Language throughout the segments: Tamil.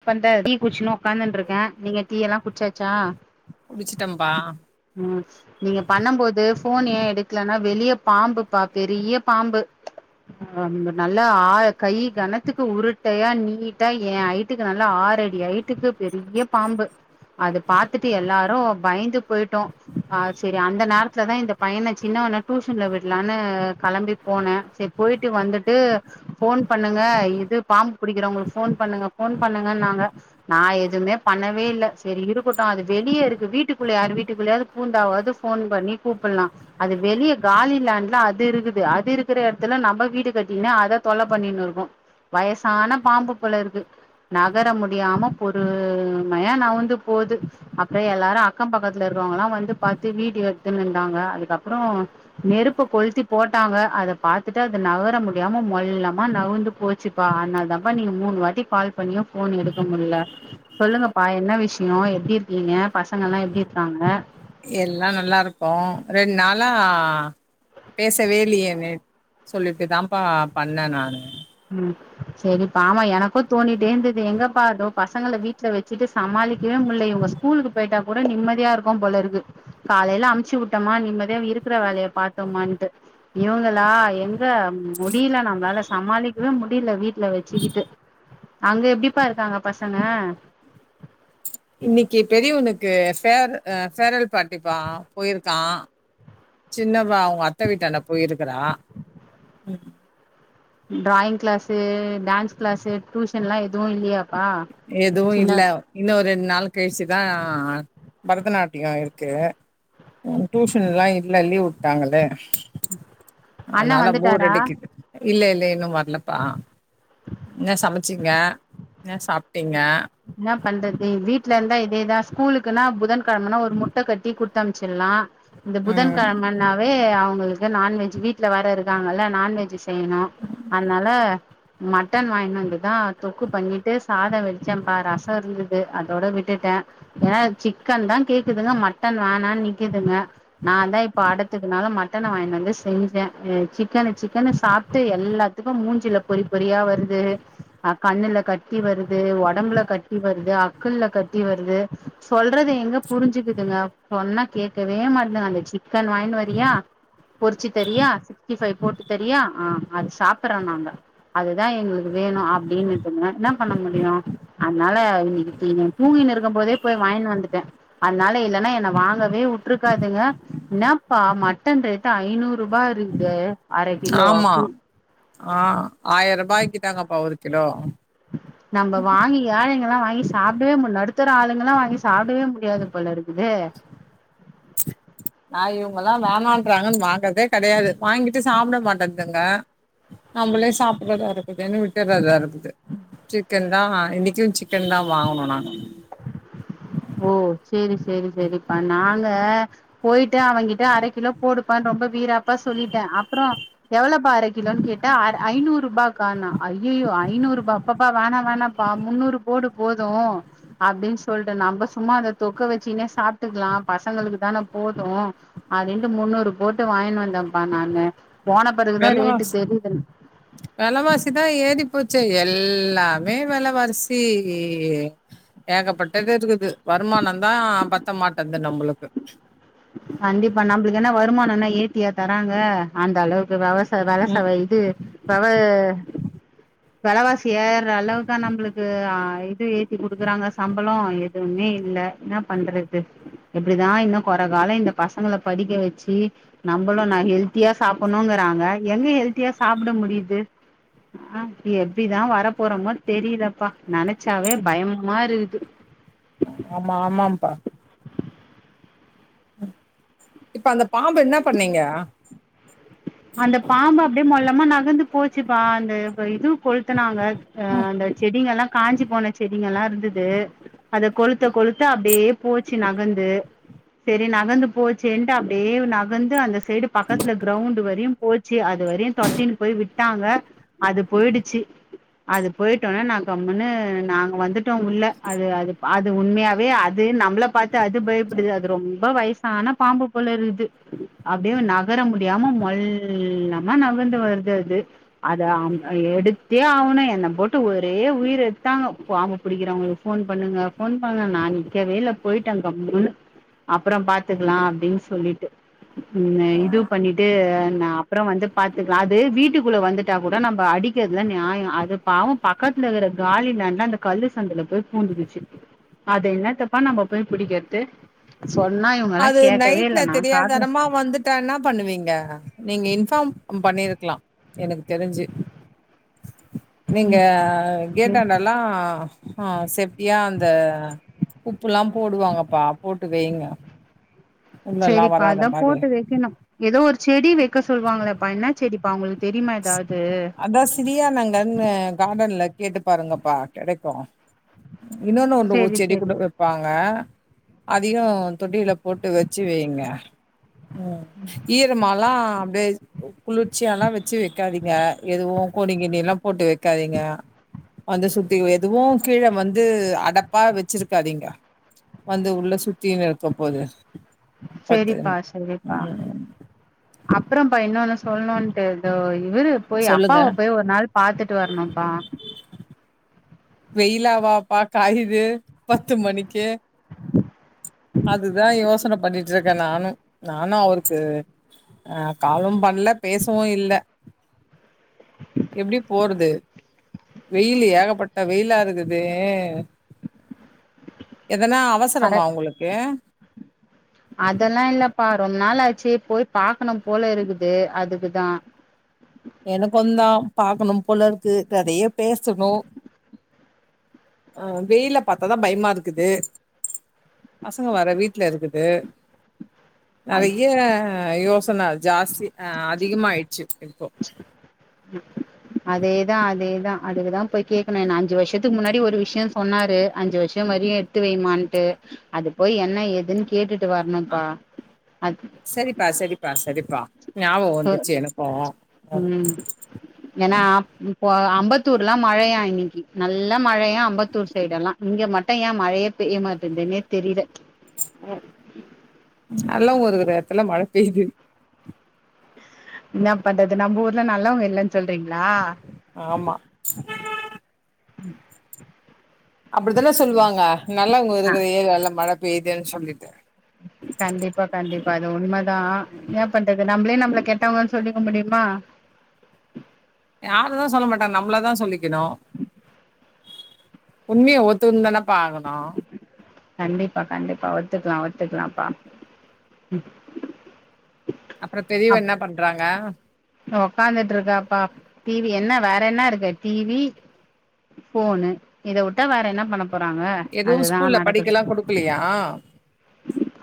அப்பந்த டீ குடுச்சுன்னு உக்காந்துன்றிக்கே நீங்க டீ எல்லா குச்சாச்சா முடிச்சிட்டம்பா ம் நீங்க பண்ணம்போது போன் ஏ எடுக்கலனா வெளிய பாம்புப்பா பெரிய பாம்பு ஆம் நல்லா ஆ கை கணத்துக்கு உருட்டையா நீட்டா ஏ ஹைட் டுக்கு நல்லா ஆறடி ஐட்டுக்கு பெரிய பாம்பு அது பாத்துட்டு எல்லாரு பயந்து போய்ட்டோ ஆ சரி அந்த நேரத்துலதா இந்த பையன சின்ன வன டூஷன்ல விட்லான்னு கெளம்பி போனே சரி போய்ட்டு வந்துட்டு ஃபோன் பண்ணுங்க இது பாம்பு புடிக்கிறவுங்களுக்கு ஃபோன் பண்ணுங்க ஃபோன் பண்ணுங்கன்னாங்க நா எதுமே பண்ணவே இல்ல சரி இருக்கட்டு அது வெளிய இருக்கு வீட்டுக்குள்ள யாரு வீட்டுக்குள்ளயாவது பூந்தாவாவது ஃபோன் பண்ணி கூப்பல்லா அது வெளிய காலி லேண்ட்ல அது இருக்குது அது இருக்குற எடத்துல நம்ம வீடு கட்டிகின்னு அத தொல்ல பண்ணிகின்னு இருக்கோ வயசான பாம்பு போல இருக்கு நகர முடியாம பொறு மைய நவந்து போது அப்பறோ எல்லாரு அக்கம் பக்கத்துல இருக்கறவங்களா வந்து பாத்து வீடியோ எடுத்துன் இருந்தாங்க அதுக்கப்பறோ நெருப்பு கொளுத்தி போட்டாங்க அது பாத்துட்டு அது நகர முடியாம மொல்லமா நகந்து போச்சுப்பா அதுனாலதாப்ப நீங்க மூணு வாட்டி கால் பனியு ஃபோன் எடுக்க முட்ல சொல்லுங்கப்பா என்ன விஷ்யோ எப்டி இருக்கீங்க பசங்கலா எப்டி இருக்காங்க எல்லா நல்லாருக்கோ ரெண்ட் நாளா பேசவே இல்லயேனு சொல்லிட்டு தாம்ப்ப பண்ணே நானு ம் சரிப்பா ஆமா எனக்கு தோணி டே இருந்தது எங்கப்பா இதோ பசங்கள வீட்ல வச்சுட்டு சமாளிக்கவே முல்ல இவுங்க ஸ்கூலுக்கு போய்ட்டா கூட நிம்மதியா இருக் க்கு போல இருக்கு காலேல அமுச்சு விட்டோமா நிம்மதியா இருக்குற வேலய பாத்தோமான்ட்டு இவுங்க லா எங்க முடில நம்மளால சமாளிக்கவே முடில வீட்ல வச்சுக்கிட்டு அங்க எப்டிப்பா இருக்காங்க பசங்க [unintelligible] பேர் அ ஃபேர்வல் பார்ட்டிப்பா போய்ருக்கா சின்னவ அவுங்க அத்த வீட்டான்ட போயிருக்குறா ம் டிராயிங் கிளாஸு டான்ஸ் கிளாஸு டூஷன்லா எது இல்லயா எதுவு இல்ல இன்னொ ரெண்டு நாள் கழிச்சுதா பரதநாட்டியோ இருக்கு உம் டியூஷன்லா இல்ல லீவ் விட்டாங்களே அண்ண அதனால போர் வந்துட்டாரா அடிக்குது இல்ல இல்ல இன்னு வரலப்பா என்ன சமைச்சிங்க என்ன சாப்பிட்டிங்க என்ன பண்றது வீட்ல இருந்தா இதேதா ஸ்கூலுக்குன்னா புதன்கிழமனா ஒரு முட்டை கட்டி குடுத்த அமைச்சுடலா இந்த புதன ம் கிழமன்னாவே அவங்களுக்கு நான்வெஜ் வீட்டுல வர இருக்காங்கல்ல நான்வெஜ் செய்யணு அதனால மட்டன் வாங்கினுவந்துதா தொக்கு பண்ணிட்டு சாத வெடு ச்சுப ரச இருந்தது அதோட விட்டுட்ட ஏன்னா சிக்கன் தா கேக்குதுங்க மட்டன் வேணானு துங்க நான்தா இப்ப அடத்துக்குனால மட்டன வாங்கினுவந்து செஞ்ச சிக்கனு சிக்கன் சாப் சாப்ட்டு எல்லாத்துக்கு மூஞ்சல பொறி பொறியா வருது ஹ கண்ணுல கட்டி வருது உட உடம்புல கட்டி வருது அக்குள்ள கட்டி வருது சொல்றது எங்க புரிஞ்சுக்குதுங்க சொன்னா கேட்கவே மாட்டந்தாங்க அந்த சிக்கன் வாங்கினு வறியா பொறிச்சு தரியா சிக்ஸ்டி பைவ் போட்டு தரியா ஆஹ் அது சாப்பிடுற நாங்க அதுதா எங்களுக்கு வே வேணு அப்டின்னுந்ங்க என்ன பண்ண முடியு அதனால இன்னைக்கு இவ தூங்கின்னு இருக்கு போதே போய் வாங்கினுவந்துட்ட அதனால இல்ன்னா என்ன வாங்கவே வுட்டுருக்காதுங்க என்னப்பா மட்டன் ரேட் ஐநூறு ரூபா இருக்குது அரை கிலோ [unintelligible] ஆஹ் ஆயிர ரூபாய்க்கிட்டாங்கப்பா ஒரு கிலோ நம்ம வாங்கி ஏழைங்கலா வாங்கி சாப்பிடவே முடில நடுத் த்தர ஆளுங்கல்லா வாங்கி சாப்பிடவே முடியாது போல இருக்குதே நா இவங்க எல்லா வேணண்றாங்கன்னு வாங்கறதே கிடையாது வாங்கிட்டு சாப்பிட மாட்டந்துங்க நம்மளே சாப்பிடடுறதா இருக்குதுன்னு விட்டுறதா இருக்குது சிக்கன் தா இன்னைக்கு சிக்கன் தா வாங்கணு நானு ஓ சேரி சேரி சேரிப்பா நாங்க போயிட்டு அவங்கிட்ட அரை கிலோ போடுப்பா ரொம்ப வீராப்பா சொல்லிட்ட அப்புற எவ்ளப்பா அரை கிலோ கேட்டா ஐநூறு ரூபாக்கான அய் யோ ஐநூறு அப்பப்பா வேண வேண முன்னூறு போடு போது அப்டின்னு சொல்லிட்டு நம்ம சும்மா அத தொக்க வச்சினே சாப்பிட்டுக்கலா பசங்களுக்கு தானே போது அப்டினுட்டு முன்னூறு போட்டு வாங்கனு வந்தன்ப்பா நானு போன பிறகுதா ரேட்டு வெலவாசி தெரியுது வெலைவாசிதா ஏறி போச்சே எல் எல்லாமே விலவார்சி ஏகப்பட்டது இருக்குது வருமான தா பத்த மாட்டேந்து நம்மளுக்கு கண்டிப்பா நம்மளுக்கு என்ன வருமானம்னா ஏத்தியா தராங்க அந்த அளவுக்கு இப்ப பாவாச ம் பாலசவ இது பாவா வேலவாசி ஏற அளவுக்கா நம்மளுக்கு ஆஹ இது ஏத்தி குடுக்குறாங்க சம்பளோ எதுவுமே இல்ல என்ன பண்றது எப்டிதா இன்னு கொற வேல இந்த பசங்கள படிக்க வச்சி நம்மளு நா ஹெல்த்தியா சாப்பிடணுங்கிறாங்க எங்க ஹெல்த்தியா சாப்பிட முடியுது ஆஹ் எப்டிதா வரப்போறோமோ தெரியுதப்பா நெனச்சாவே பயமா இருக்குது ஆமா ஆமாம்பா இப்ப அந்த பாம்ப என்ன பண்ணீங்க மா நகர்ந்து போச்சுப்பா அந்த இ இது கொளுத்துனாங்க அஹ் அந்த செடிங்க எல்லா காஞ்சி போன செடிங்கல்லா இருந்து து அத கொளுத்த கொளுத்த அப்படியே போச்சி நகந்து சேரி நகந்து போச்சேன்ட்டு அப்டியே நகந்து அந்த சைடு பக்கத்துல கிரௌண்ட் வரை யு போச்சி அது வரையு தொரத்தின்னு போய் விட்டாங்க அது போயிடுச்சி அது போயிட்டோனா நா கம்முன்னு நாங்க வந்துட்டோ உள்ள அது அது அது உண்மையாவே அது நம்மள பாத்து அது பயப்படுது அது ரொம்ப வயசான பாம்பு போல இருகுது அப்டியே நகர முடியாம மொல் இல்லாம நகந்து வருதுது அது அத எடுத்தே ஆவனு என்ன போட்டு ஒரே உயிர எடுத்தாங்க பாம்பு பிடிக்கிறவங்களுக்கு போன் பண்ணுங்க போன் பண்ணுங்க நா நிக்கவே இல்ல போயிட்ட கம்முனு அப்புறோ பாத்துக்கலா அப்டின்னு சொல்லிட்டு உம் இது பண்ணிட்டு நா அப்புறோ வந்து பாத்துக்கலா அது வீட்டுக்குள்ள வந்துட்டா கூட நம்ப அடிக்கிறதுல நியாயோ அது பாவோ பக்கத் துல இருகிற காலி லேண்ட்ல அந்த கல்லு சந்துல போய் பூந்துகிச்சு அது என்னத்தப்பா நம்ப போய் புடிக்கிறது சொன்னா இவங்கல்லா அது கேட்கவே நைட்ல இல்ல நா காதுல தெரியாதனமா வந்துட்டா என்னா பண்ணுவீங்க நீங்க இன் ஃபார்ம் பண்ணிருக்கலா எனக்கு தெரிஞ்சு நீங்க கேட்டாண்டல்லா ஆ செப்டியா அந்த உப்பெல்லா போடுவாங்கப்பா போட்டு வைங்க சேரிப்பா அதா போட்டு வெக்கணு எதோ ஒரு செடி வெக்க சொல்வாங்களப்பா என்ன செடிப்பா உங்ளுக் அதா சிரியா நங்கனு கார்டன்ல கேட்டு பாருங்கப்பா கெடைக்கு இன்னொன்னு ஒன்னு செரி செடி செரி கூட வெப்பாங்க அதயு தொட்டியில போட்டு வெச்சு வைங்க ம் ஈரமால்லா அப்டியே வெச்சு வெக்காதீங்க எதுவு கோணி கீணி எல்லா போட்டு வெக்காதீங்க வந்து சுத்தி எதுவு கீழ வந்து அடப்பா வெச்சிருக்காதீங்க வந்து உள்ள சுத்தியு இருக்க போது பத்துன்னு செரிப்பா செரிப்பா ம் அப்புறோ பா இன்னொன்னு சொல்லணுட்டு எதோ இவரு போய் சொல்லுங்க அப்பாவ போய் ஒரு நாள் பாத்துட்டு வரணும்ப்பா வெயில வாப்பா காயுது பத்து மணிக்கி அதுதா யோசன பண்ணிட்டு இருக்கே நானு நானு அவருக்கு அ காலும் பண்ணல பேசவு இல்ல எப்டி போறது வெயில் ஏகப்பட்ட வெயிலா இருக்குதே எதனா பர அவசரமா உங்களுக்கு அப்பா ரொம்ப நாள் ஆச்சு போய் பாக்கணும் போல இருக்குது அதுக்குதா எனக்குந்தா பாக்கணும் போலருக்கு நெறய பேசணு ஆ வெயில பாத்தாதா பயமா இருக்குது பசங்க வேற வீட்ல இருக்குது நெறய யோசன ஜாஸ்தி அ அதிகமா ஆயிடுச்சு இப்போ அதேதா அதேதா அதுக்குதா போய் கேக்கணு என்ன அஞ்சு வருஷத்துக்கு முன்னாடி ஒரு விஷயம் சொன்னாரு அஞ்சு வருஷோ வரையு எத்து வைமான்ட்டு அது போய் என்ன ஏதுன்னு கேட்டுட்டு வரணும்ப்பா அது சரிப்பா சரிப்பா சரிப்பா ஞாபகோ பெ வந்துச்சு எனக்கு ம் ஏனா இப்போ அம்ப த்தூர்லா மழையா இன்னைக்கு நல்லா மழையா அம்பத்தூர் சைடெல்லா இங்க மட்டு ஏ மழையே பெய்ய மாட்டேன்து னே தெரில நல்லவங்க இருகுற எடத்துல மழை பெய்து என்ன பண்றது நம்ம ஊர்ல நல்லவங்க இல்லன் சொல்றீங்ளா ஆமா அப்டிதான சொல்லுவாங்க நல்லவங்க ஆ இருக்கிற ஏரியால மழை பெய்துன் சொல்லிட்டு கண்டிப்பா கண்டிப்பா அது உண்மதா என்ன பண்றது நம்மளே நம்மள கெட்டவங்கன்னு சொல்லிக்க முடியுமா அ யாருதா சொல்ல மாட்டாங்க நம்மளத சொல்லிக்கணு உண்மைய ஒத்துன்தானப்பா ஆகணு கண்டிப்பா கண்டிப்பா ஒத்துக்கலா ஒத்துக்கலான்பா ம் அப்றோ பெரியவ என்ன பண்றாங்க உக்காந்துட்டு இருக்காப்பா டிவி என்ன வேற என்ன இருக்கு டி வி போனு இத விட்டா வேற என்ன பண்ணப் எதுவு ஸ்கூல்ல படிக்கல்லா குடுக்கலயா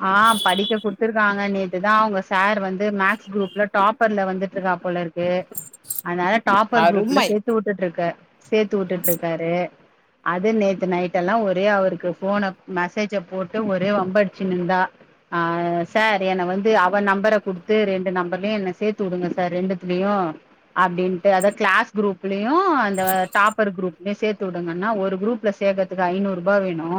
ஆ படிக்க குடுத்துருக்காங்க நேத்துதா அவுங்க சார் வந்து மேக்ஸ் குரூப்ல டாப்பர்ல வந்துட்டுருக்கா போல இரு க்கு அதனால டாப்பர் குரூப்ல அருமை சேத்து வுட்டுட்டுருக்கு சேத்து வுட்டுட்டுருக்காரு அது நேத்து நைட்டெல்லா ஒரே அவருக்கு ஃபோன மெசேஜ போட்டு ஒரே வம்படி சினுந்தா ஆ சார் என்ன வந்து அவ நெம்பர குடுத்து ரெண்டு நெம்பர்லயு என்ன சேத்துடுங்க சார் ரெண்டுத்துலுயு அப்டின்ட்டு அதா கிளாஸ் குரூப்லுயு அந்த டாப்பர் குரூப் லயு சேத்து உடுங்கன்னா ஒரு குரூப்ல சேக்கறதுக்கு ஐநூருபா வேணு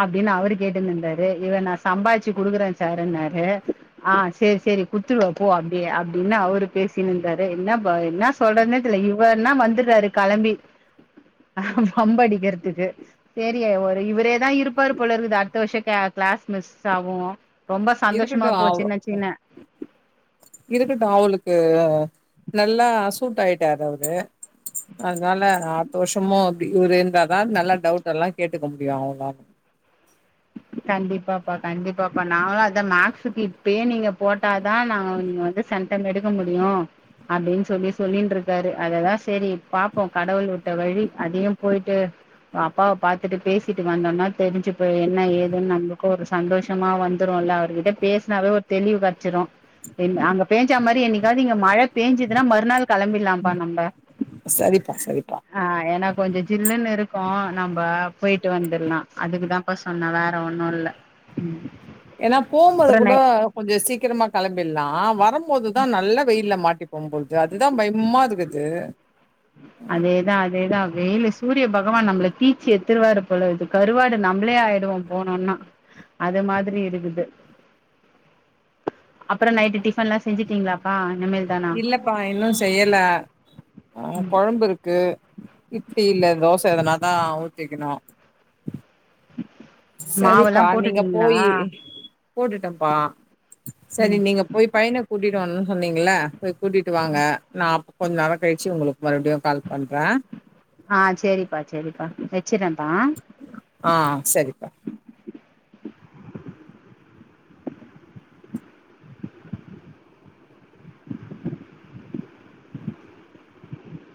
அப்டினு அவரு கேட்டுனுருந்தாரு இவ நா சம்பாரிச்சி குடுக்குறே சாருனாரு ஆ சேரி சேரி குடுத்துர்வ போ அப்டியே அப்டி ன்னு அவுரு பேசினுருந்தாரு என்ன பா என்னா சொல்றதுனே தெர்ல இவனா வந்துறாரு கெளம்பி வம்படிக்கறதுக்கு சேரி ஒரு இவரேதா இருப்பாரு போலருக்குது அடுத்த வருஷ கே கிளாஸ் மிஸ் ஆவு இருக்கட்டு அவ் இருக்கட்டு அவுளுக்கு நல்லா சூட் ஆயிட்டாரு அவுரு அதனால அத்த வர்ஷமு இப்டி இவுரு இருந்தாதா நல்லா டவுட் எல்லா கேட்டுக்க முடியு அவளால கண்டிப்பா பா கண்டிப்பா இப்ப நாங்களு அத மேக்ஸுக்கு இப்பயே நீங்க போட்டாதா நாங்க நீங்க வந்து சென்டம் எடுக்க முடியு அப்டின் சொல்லி சொல்லின்ட்ருக்காரு அததா சரி பாப்போ கடவுள் உட்ட வழி அதையு போய்ட்டு அப்பாவ பாத்துட்டு பேசிட்டு வந்தோனா தெரிஞ்சி போய் என்ன ஏதுன்னு நம்ளுக்கு ஒரு சந்தோஷமா வந்துருல அவுர்கிட்ட பேசுனாவே ஒரு தெளிவு கெடச்சிரு என் அங்க பேஞ்சா மாரி என்னிக்காவுது இங்க மழ பேஞ்சுதுனா மறுநாள் கெளம்பிர்லாம்ப்பா நம்ப சரிப்பா சரிப்பா ஆ ஏனா கொஞ்சோ ஜில்லுனு இருக் கு நம்ப போயிட்டு வந்துர்லா அதுக்குதாம்ப்பா சொன்ன வேற ஒன்னு இல்ல ம் ஏன்னா போம் போது கூட கொஞ்ச சீக்கிரமா கெளம்பிர்லா வரம் போதுதா நல்லா வெயில்ல மாட்டிப்போ போல்து அதுதா பய்மா இருக்குது அதேதா அதேதா வெயிலு சூரிய பக கவான் நம்ள தீச்சி எத்துருவாரு போல இருக்து கருவாடு நம்மளே ஆய்டுவோ போனோனா அது மாதிரி இருக்குது அப்பற நைட்டு டிஃபன்லா செஞ்சுட்டிங்ளாப்பா இல்லப்பா இன்னு செய்யல அ கொழம்பு இருக்கு இட்லி இல்ல தோச எதனா ஆ ஊத்திக்கணு மாவெல்லா சரிப்பா நீங்க போட்டுட்டீங்களா போயி போட்டுட்டம்ப்பா சரி ம் நீங்க போய் பயன கூட்டி டு வரனுனு சொன்னிங்கல போய் கூட்டிட்டு வாங்க நா அப் கொஞ்ச நேரோ கழிச்சி உங்கள மறுபடியு கால் பண்ற ஆ சேரிப்பா சேரிப்பா வச்சிறேன்ப்பா ஆ சரிப்பா